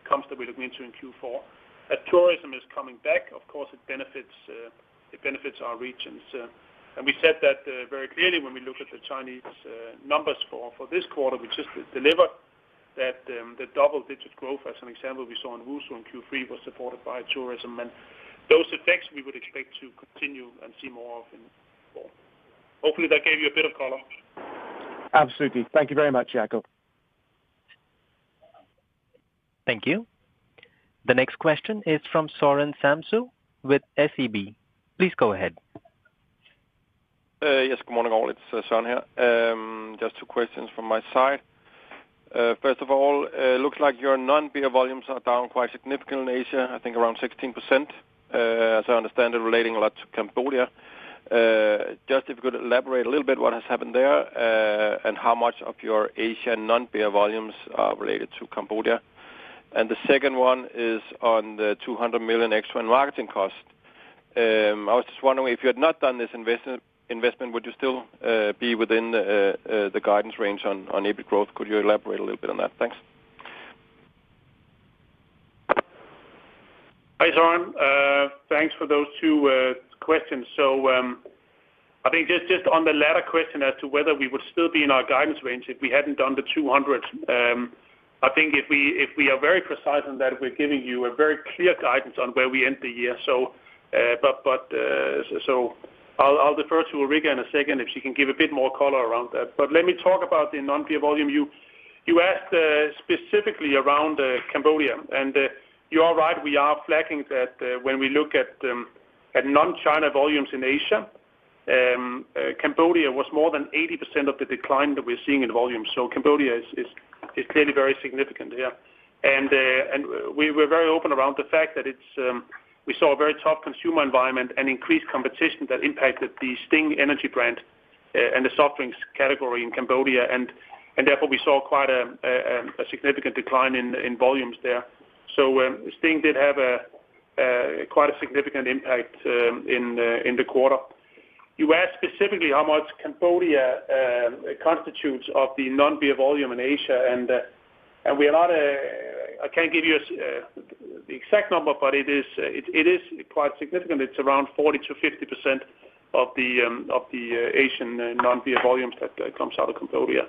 comps that we're looking into in Q4. As tourism is coming back, of course, it benefits, it benefits our regions. And we said that, very clearly when we looked at the Chinese numbers for, for this quarter, we just delivered that, the double-digit growth, as an example, we saw in Wusu in Q3, was supported by tourism. And those effects we would expect to continue and see more of in Q4. Hopefully, that gave you a bit of color. Absolutely. Thank you very much, Jacob. Thank you. The next question is from Søren Samsøe with SEB. Please go ahead. Yes, good morning, all. It's Søren here. Just two questions from my side. First of all, it looks like your non-beer volumes are down quite significant in Asia, I think around 16%, as I understand it, relating a lot to Cambodia. Just if you could elaborate a little bit what has happened there, and how much of your Asian non-beer volumes are related to Cambodia? And the second one is on the 200 million extra in marketing cost. I was just wondering, if you had not done this investment, would you still be within the guidance range on EBIT growth? Could you elaborate a little bit on that? Thanks. Hi, Søren. Thanks for those two questions. So, I think just on the latter question as to whether we would still be in our guidance range if we hadn't done the 200, I think if we are very precise on that, we're giving you a very clear guidance on where we end the year. But I'll defer to Ulrica in a second if she can give a bit more color around that. But let me talk about the non-beer volume. You asked specifically around Cambodia, and you are right, we are flagging that when we look at non-China volumes in Asia, Cambodia was more than 80% of the decline that we're seeing in volume. So Cambodia is clearly very significant, yeah. We're very open around the fact that it's we saw a very tough consumer environment and increased competition that impacted the Sting energy brand and the soft drinks category in Cambodia, and therefore, we saw quite a significant decline in volumes there. So, Sting did have a quite significant impact in the quarter. You asked specifically how much Cambodia constitutes of the non-beer volume in Asia, and we are not... I can't give you the exact number, but it is quite significant. It's around 40%-50% of the Asian non-beer volumes that comes out of Cambodia.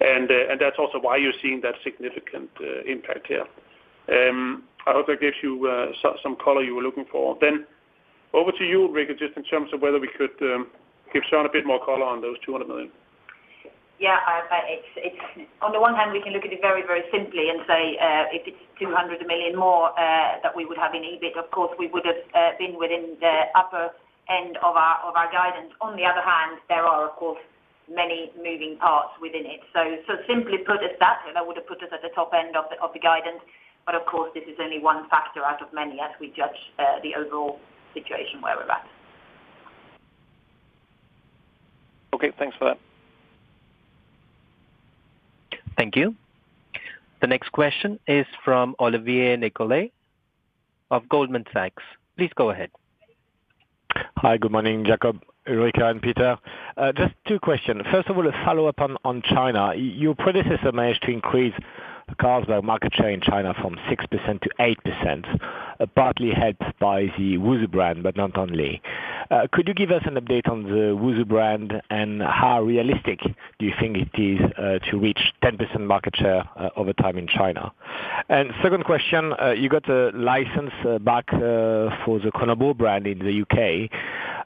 That's also why you're seeing that significant impact here. I hope that gives you some color you were looking for. Then over to you, Ulrica, just in terms of whether we could give Soren a bit more color on those 200 million. ...Yeah, it's, it's on the one hand, we can look at it very, very simply and say, if it's 200 million more, that we would have in EBIT, of course, we would have been within the upper end of our, of our guidance. On the other hand, there are, of course, many moving parts within it. So, so simply put it that, that would have put us at the top end of the, of the guidance. But of course, this is only one factor out of many as we judge the overall situation where we're at. Okay, thanks for that. Thank you. The next question is from Olivier Nicolaï of Goldman Sachs. Please go ahead. Hi, good morning, Jacob, Ulrica, and Peter. Just two questions. First of all, a follow-up on China. Your predecessor managed to increase the Carlsberg market share in China from 6%-8%, partly helped by the Wusu brand, but not only. Could you give us an update on the Wusu brand, and how realistic do you think it is to reach 10% market share over time in China? And second question, you got a license back for the Kronenbourg brand in the U.K.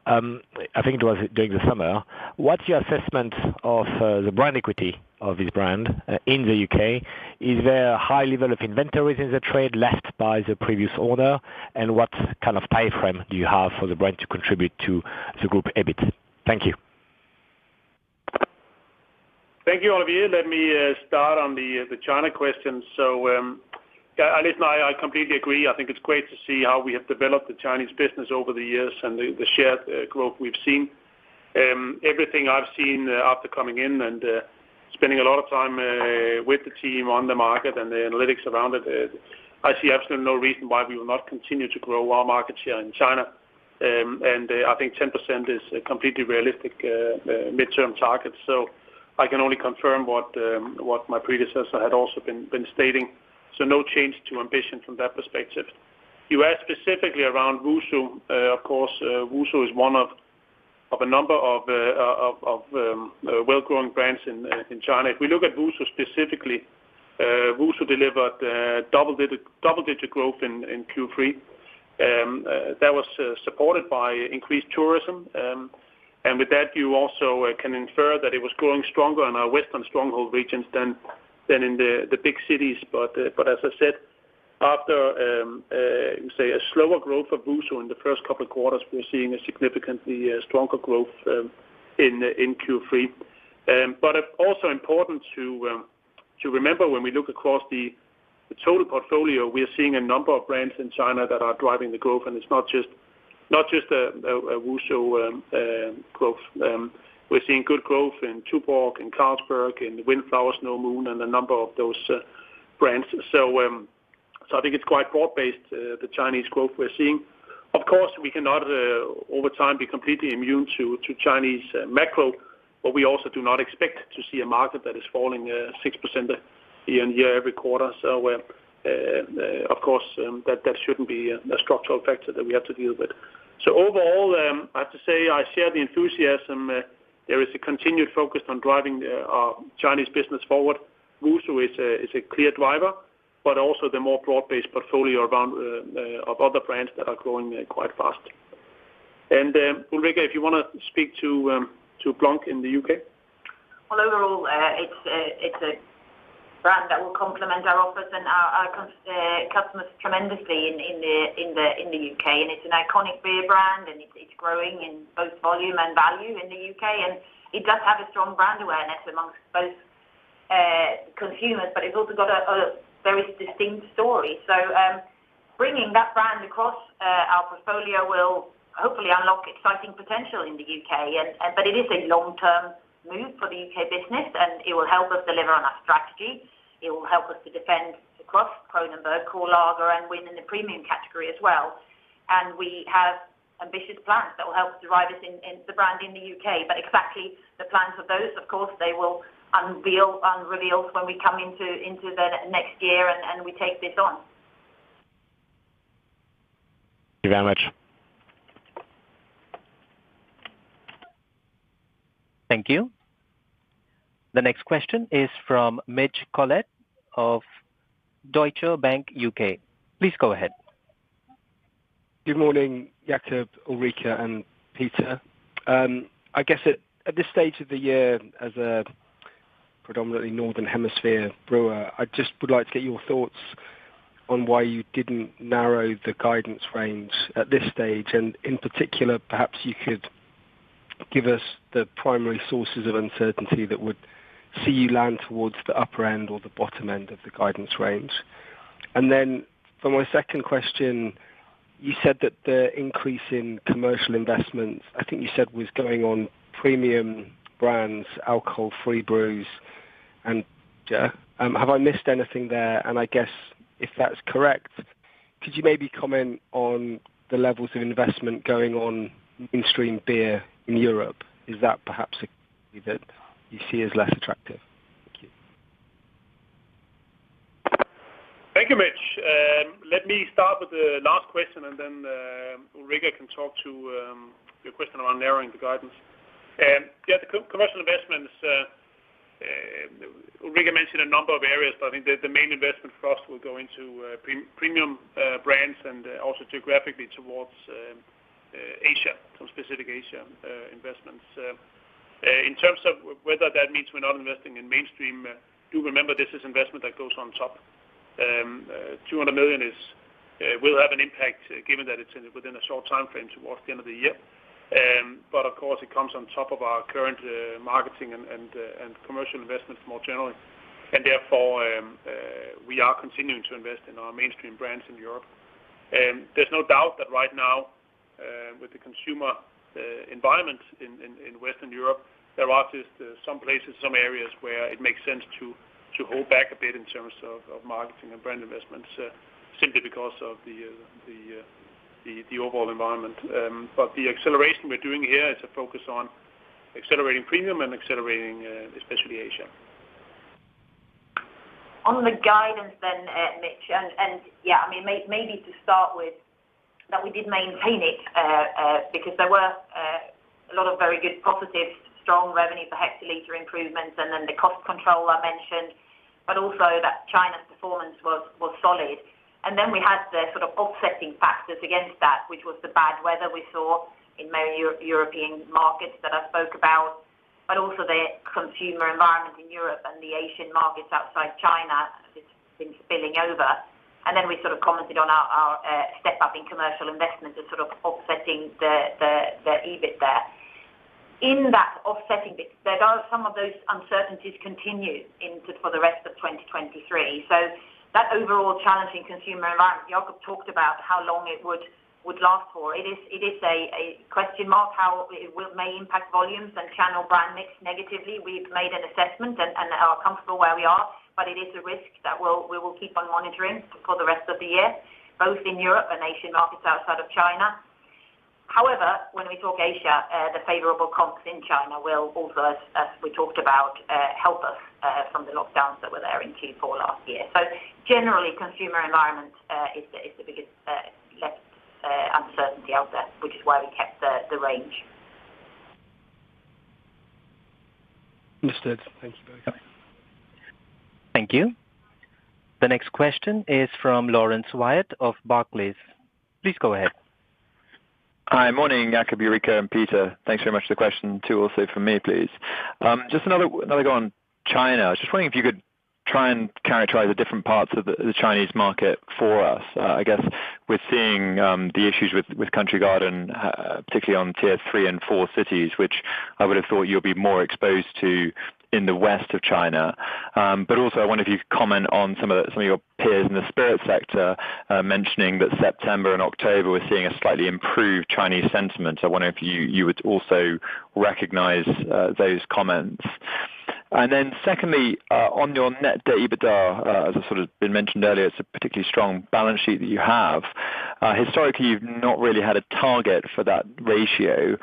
I think it was during the summer. What's your assessment of the brand equity of this brand in the U.K.? Is there a high level of inventories in the trade left by the previous owner? And what kind of time frame do you have for the brand to contribute to the group EBIT? Thank you. Thank you, Olivier. Let me start on the China question. So, yeah, listen, I completely agree. I think it's great to see how we have developed the Chinese business over the years and the shared growth we've seen. Everything I've seen after coming in and spending a lot of time with the team on the market and the analytics around it, I see absolutely no reason why we will not continue to grow our market share in China. And I think 10% is a completely realistic mid-term target. So I can only confirm what my predecessor had also been stating. So no change to ambition from that perspective. You asked specifically around Wusu. Of course, Wusu is one of a number of well, growing brands in China. If we look at Wusu specifically, Wusu delivered double-digit double-digit growth in Q3. That was supported by increased tourism. And with that, you also can infer that it was growing stronger in our western stronghold regions than in the big cities. But as I said, after say, a slower growth for Wusu in the first couple of quarters, we're seeing a significantly stronger growth in Q3. But it's also important to remember when we look across the total portfolio, we are seeing a number of brands in China that are driving the growth, and it's not just a Wusu growth. We're seeing good growth in Tuborg, in Carlsberg, in Windflower, Snow Moon, and a number of those brands. So, so I think it's quite broad-based, the Chinese growth we're seeing. Of course, we cannot, over time, be completely immune to, to Chinese macro, but we also do not expect to see a market that is falling 6% year-on-year, every quarter. So, of course, that, that shouldn't be a structural factor that we have to deal with. So overall, I have to say, I share the enthusiasm. There is a continued focus on driving the Chinese business forward. Wusu is a, is a clear driver, but also the more broad-based portfolio around of other brands that are growing quite fast. Ulrica, if you want to speak to Blanc in the U.K.? Well, overall, it's a brand that will complement our offers and our customers tremendously in the U.K. It's an iconic beer brand, and it's growing in both volume and value in the U.K., and it does have a strong brand awareness among both consumers, but it's also got a very distinct story. So, bringing that brand across our portfolio will hopefully unlock exciting potential in the U.K. But it is a long-term move for the U.K business, and it will help us deliver on our strategy. It will help us to defend across Kronenbourg, Carlsberg, and win in the premium category as well. We have ambitious plans that will help us drive in the brand in the U.K., but the exact plans for those, of course, will remain unrevealed when we come into the next year and we take this on. Thank you very much. Thank you. The next question is from Mitch Collett of Deutsche Bank, U.K. Please go ahead. Good morning, Jacob, Ulrica, and Peter. I guess at this stage of the year, as a predominantly Northern Hemisphere brewer, I just would like to get your thoughts on why you didn't narrow the guidance range at this stage, and in particular, perhaps you could give us the primary sources of uncertainty that would see you land towards the upper end or the bottom end of the guidance range. And then for my second question, you said that the increase in commercial investments, I think you said, was going on premium brands, alcohol-free brews. And have I missed anything there? And I guess if that's correct, could you maybe comment on the levels of investment going on in mainstream beer in Europe? Is that perhaps that you see as less attractive? Thank you. Thank you, Mitch. Let me start with the last question, and then, Ulrica can talk to your question around narrowing the guidance. Yeah, the commercial investments. Ulrica mentioned a number of areas, but I think the main investment for us will go into premium brands and also geographically towards Asia, some specific Asia investments. In terms of whether that means we're not investing in mainstream, do remember this is investment that goes on top. 200 million will have an impact, given that it's within a short time frame towards the end of the year. But of course, it comes on top of our current marketing and commercial investments more generally. And therefore, we are continuing to invest in our mainstream brands in Europe. There's no doubt that right now, with the consumer environment in Western Europe, there are just some places, some areas where it makes sense to hold back a bit in terms of marketing and brand investments, simply because of the overall environment. But the acceleration we're doing here is a focus on accelerating premium and accelerating, especially Asia. On the guidance then, Mitch, and yeah, I mean, maybe to start with, that we did maintain it, because there were a lot of very good positive, strong revenue per hectoliter improvements, and then the cost control I mentioned, but also that China's performance was solid. And then we had the sort of offsetting factors against that, which was the bad weather we saw in many European markets that I spoke about, but also the consumer environment in Europe and the Asian markets outside China; it's been spilling over. And then we sort of commented on our step up in commercial investments as sort of offsetting the EBIT there. In that offsetting bit, there are some of those uncertainties continue into... for the rest of 2023. So that overall challenging consumer environment, Jacob talked about how long it would last for. It is a question mark, how it may impact volumes and channel brand mix negatively. We've made an assessment and are comfortable where we are, but it is a risk that we will keep on monitoring for the rest of the year, both in Europe and Asian markets outside of China. However, when we talk Asia, the favorable comps in China will also, as we talked about, help us from the lockdowns that were there in Q4 last year. So generally, consumer environment is the biggest left uncertainty out there, which is why we kept the range. Understood. Thank you very much. Thank you. The next question is from Laurence Whyatt of Barclays. Please go ahead. Hi, morning, Jacob, Ulrica and Peter. Thanks very much for the question, two also from me, please. Just another, another go on China. I was just wondering if you could try and characterize the different parts of the Chinese market for us. I guess we're seeing the issues with Country Garden, particularly on tier 3 and 4 cities, which I would have thought you'll be more exposed to in the west of China. But also, I wonder if you could comment on some of the, some of your peers in the spirit sector, mentioning that September and October, we're seeing a slightly improved Chinese sentiment. I wonder if you, you would also recognize those comments. And then secondly, on your Net Debt/EBITDA, as sort of been mentioned earlier, it's a particularly strong balance sheet that you have. Historically, you've not really had a target for that ratio.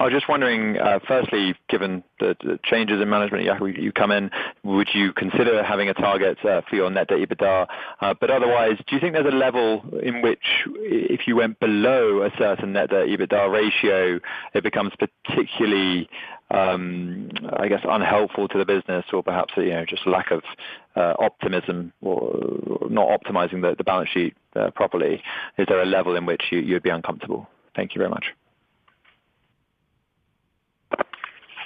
I was just wondering, firstly, given the changes in management, Jacob, you come in, would you consider having a target for your net debt EBITDA? But otherwise, do you think there's a level in which if you went below a certain net debt EBITDA ratio, it becomes particularly, I guess, unhelpful to the business or perhaps, you know, just lack of optimism or not optimizing the balance sheet properly? Is there a level in which you'd be uncomfortable? Thank you very much.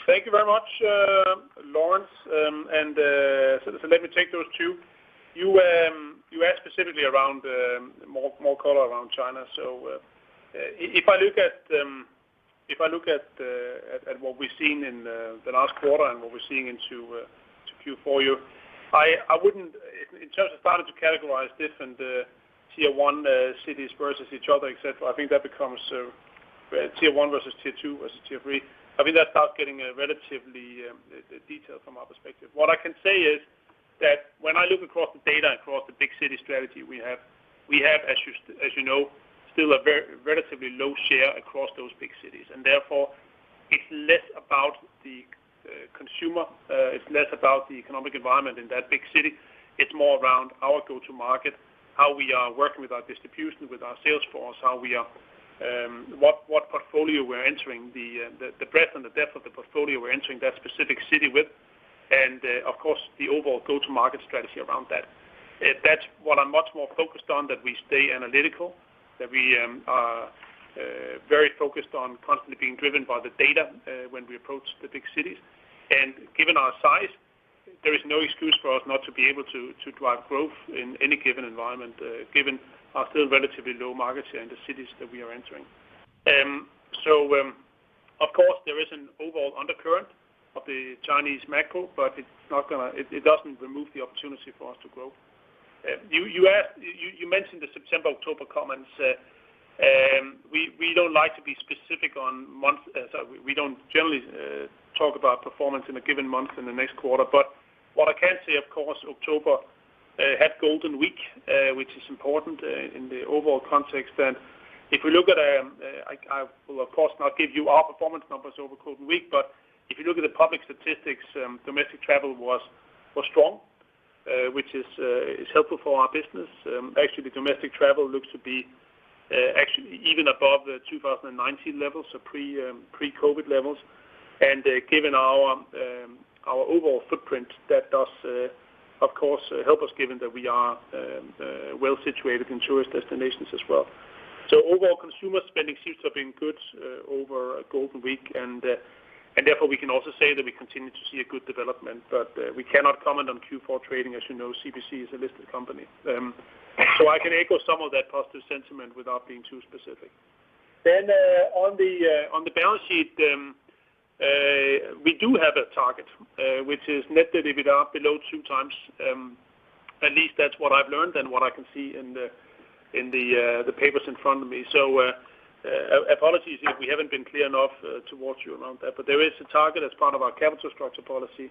Thank you very much, Lawrence. So let me take those two. You asked specifically around more color around China. So, if I look at what we've seen in the last quarter and what we're seeing into Q4 year, I wouldn't, in terms of starting to categorize different tier one cities versus each other, et cetera, I think that becomes tier one versus tier two versus tier three. I mean, that starts getting relatively detailed from our perspective. What I can say is that when I look across the data, across the big city strategy we have, we have, as you know, still a very relatively low share across those big cities, and therefore, it's less about the consumer, it's less about the economic environment in that big city. It's more around our go-to-market, how we are working with our distribution, with our sales force, how we are. What portfolio we're entering, the breadth and the depth of the portfolio we're entering that specific city with, and, of course, the overall go-to-market strategy around that. That's what I'm much more focused on, that we stay analytical, that we are very focused on constantly being driven by the data, when we approach the big cities. Given our size, there is no excuse for us not to be able to, to drive growth in any given environment, given our still relatively low market share in the cities that we are entering. So, of course, there is an overall undercurrent of the Chinese macro, but it's not gonna—it, it doesn't remove the opportunity for us to grow. You, you asked, you, you mentioned the September, October comments. We, we don't like to be specific on month, so we, we don't generally, talk about performance in a given month in the next quarter. But what I can say, of course, October had Golden Week, which is important, in the overall context. And if we look at, I will, of course, not give you our performance numbers over Golden Week, but if you look at the public statistics, domestic travel was strong, which is helpful for our business. Actually, the domestic travel looks to be actually even above the 2019 levels, so pre-COVID levels. And given our overall footprint, that does, of course, help us, given that we are well situated in tourist destinations as well. So overall, consumer spending seems to have been good over Golden Week, and therefore, we can also say that we continue to see a good development, but we cannot comment on Q4 trading. As you know, CBC is a listed company. So I can echo some of that positive sentiment without being too specific. Then, on the balance sheet, we do have a target, which is Net Debt/EBITDA below 2x. At least that's what I've learned and what I can see in the papers in front of me. So, apologies if we haven't been clear enough towards you around that, but there is a target as part of our capital structure policy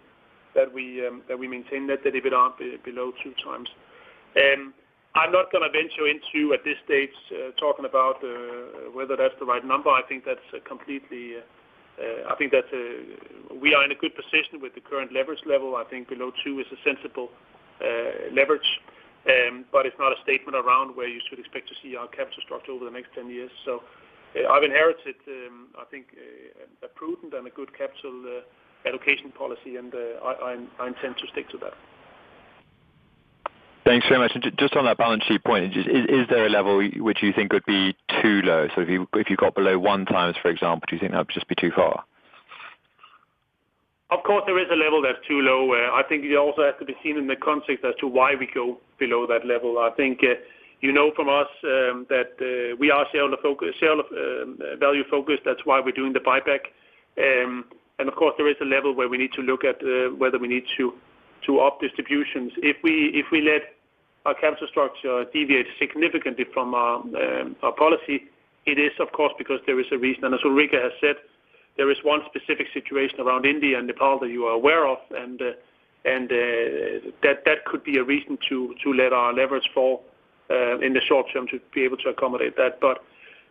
that we maintain Net Debt/EBITDA be below 2x. I'm not gonna venture into, at this stage, talking about whether that's the right number. I think that's completely. We are in a good position with the current leverage level. I think below two is a sensible leverage, but it's not a statement around where you should expect to see our capital structure over the next 10 years. So I've inherited, I think, a prudent and a good capital allocation policy, and I intend to stick to that. Thanks very much. Just on that balance sheet point, is there a level which you think would be too low? If you got below one times, for example, do you think that would just be too far? Of course, there is a level that's too low. I think it also has to be seen in the context as to why we go below that level. I think, you know, from us, that we are sales focus, sales value focused. That's why we're doing the buyback. And of course, there is a level where we need to look at whether we need to up distributions. If we, if we let our capital structure deviate significantly from our, our policy, it is, of course, because there is a reason. And as Ulrica has said, there is one specific situation around India and Nepal that you are aware of, and, and, that, that could be a reason to let our leverage fall in the short term, to be able to accommodate that. But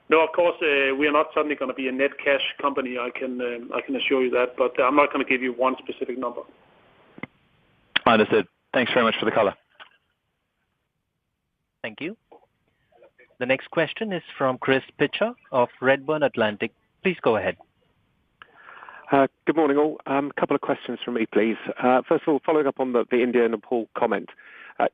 no, of course, we are not suddenly gonna be a net cash company. I can assure you that, but I'm not gonna give you one specific number. Understood. Thanks very much for the color. Thank you. The next question is from Chris Pitcher of Redburn Atlantic. Please go ahead. Good morning, all. A couple of questions from me, please. First of all, following up on the India and Nepal comment.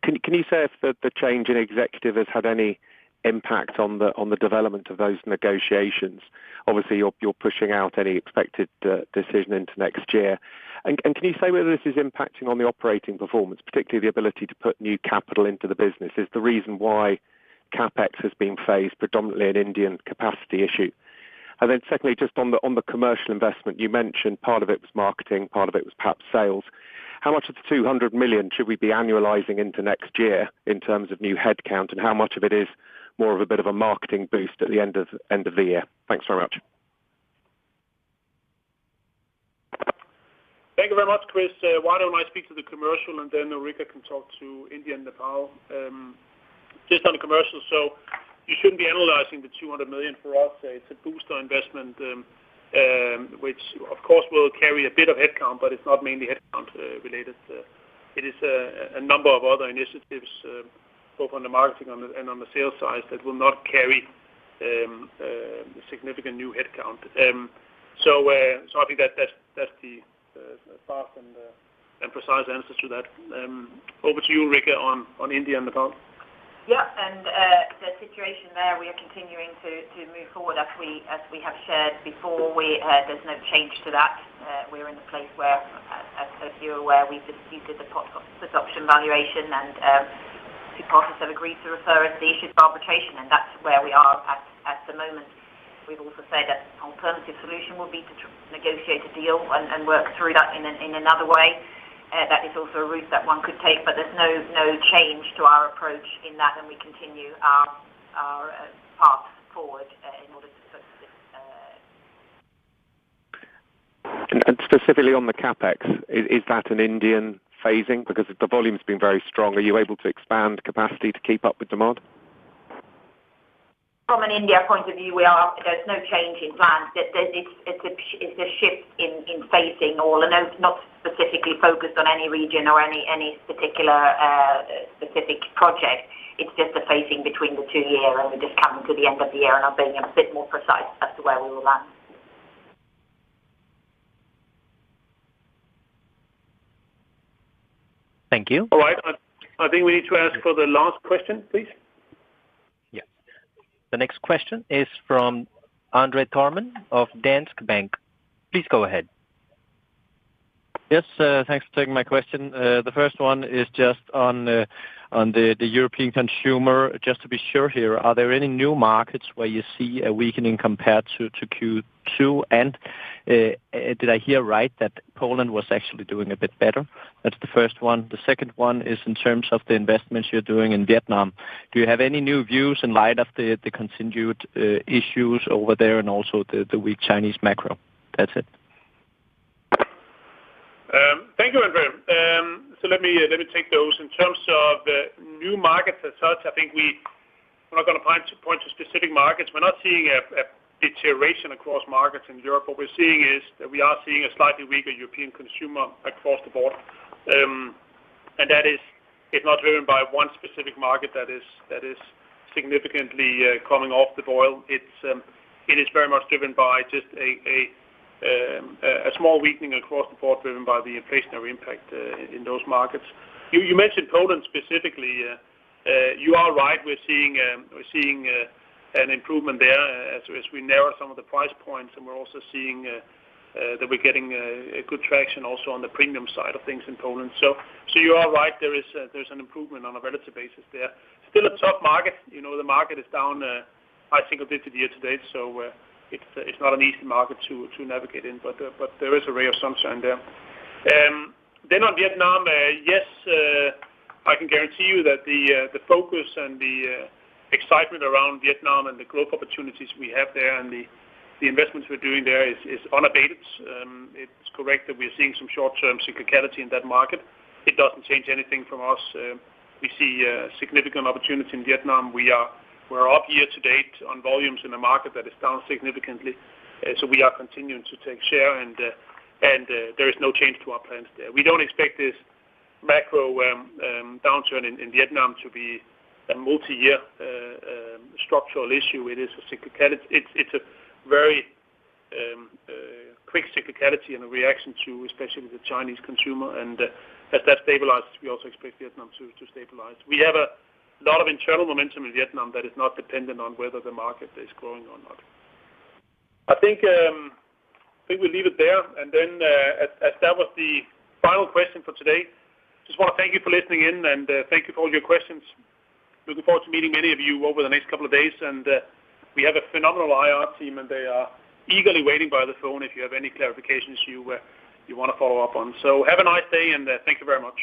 Can you say if the change in executive has had any impact on the development of those negotiations? Obviously, you're pushing out any expected decision into next year. And can you say whether this is impacting on the operating performance, particularly the ability to put new capital into the business? Is the reason why CapEx has been phased predominantly an Indian capacity issue? And then secondly, just on the commercial investment, you mentioned part of it was marketing, part of it was perhaps sales. How much of the 200 million should we be annualizing into next year in terms of new headcount, and how much of it is more of a bit of a marketing boost at the end of, end of the year? Thanks very much. Thank you very much, Chris. Why don't I speak to the commercial, and then Ulrica can talk to India and Nepal? Just on the commercial, so you shouldn't be annualizing the 200 million for us. It's a booster investment, which, of course, will carry a bit of headcount, but it's not mainly headcount related. It is a number of other initiatives, both on the marketing and on the sales side, that will not carry significant new headcount. So I think that's the fast and precise answer to that. Over to you, Ulrica, on India and Nepal. Yeah, and the situation there, we are continuing to move forward. As we have shared before, there's no change to that. We're in a place where, as you're aware, we've completed the put option valuation, and two parties have agreed to refer us the issue for arbitration, and that's where we are at the moment. We've also said that an alternative solution would be to negotiate a deal and work through that in another way. That is also a route that one could take, but there's no change to our approach in that, and we continue our path forward in order to put this- Specifically on the CapEx, is that an India phasing? Because the volume's been very strong. Are you able to expand capacity to keep up with demand? From an India point of view, we are. There's no change in plans. It's a shift in phasing all, and not specifically focused on any region or any particular specific project. It's just the phasing between the two year, and we're just coming to the end of the year, and I'm being a bit more precise as to where we will land. Thank you. All right. I think we need to ask for the last question, please. Yeah. The next question is from André Thormann, of Danske Bank. Please go ahead. Yes, thanks for taking my question. The first one is just on the European consumer. Just to be sure here, are there any new markets where you see a weakening compared to Q2? And, did I hear right that Poland was actually doing a bit better? That's the first one. The second one is in terms of the investments you're doing in Vietnam. Do you have any new views in light of the continued issues over there and also the weak Chinese macro? That's it. Thank you, Andre. So let me take those. In terms of new markets as such, I think we're not gonna find too big markets. We're not seeing a deterioration across markets in Europe. What we're seeing is that we are seeing a slightly weaker European consumer across the board. And that is, it's not driven by one specific market that is significantly coming off the boil. It is very much driven by just a small weakening across the board, driven by the inflationary impact in those markets. You mentioned Poland specifically. You are right, we're seeing an improvement there as we narrow some of the price points, and we're also seeing that we're getting a good traction also on the premium side of things in Poland. So you are right, there's an improvement on a relative basis there. Still a tough market. You know, the market is down high single-digit year-to-date, so it's not an easy market to navigate in, but there is a ray of sunshine there. Then on Vietnam, yes, I can guarantee you that the focus and the excitement around Vietnam and the growth opportunities we have there, and the investments we're doing there is unabated. It's correct that we're seeing some short-term cyclicality in that market. It doesn't change anything from us. We see significant opportunity in Vietnam. We're up year to date on volumes in a market that is down significantly, so we are continuing to take share, and there is no change to our plans there. We don't expect this macro downturn in Vietnam to be a multi-year structural issue. It is a cyclical. It's a very quick cyclicality and a reaction to, especially the Chinese consumer, and as that stabilizes, we also expect Vietnam to stabilize. We have a lot of internal momentum in Vietnam that is not dependent on whether the market is growing or not. I think I think we'll leave it there, and then as that was the final question for today, just want to thank you for listening in, and thank you for all your questions. Looking forward to meeting many of you over the next couple of days, and we have a phenomenal IR team, and they are eagerly waiting by the phone if you have any clarifications you want to follow up on. So have a nice day, and thank you very much.